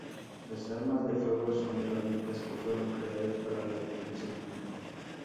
Las armas de fuego son herramientas que fueron creadas para la defensa humana.